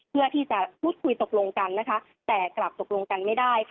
เพื่อที่จะพูดคุยตกลงกันนะคะแต่กลับตกลงกันไม่ได้ค่ะ